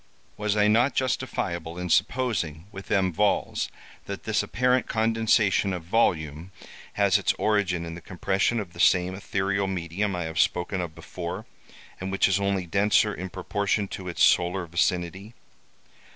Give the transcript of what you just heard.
Was I not justifiable in supposing with M. Valz, that this apparent condensation of volume has its origin in the compression of the same ethereal medium I have spoken of before, and which is only denser in proportion to its solar vicinity?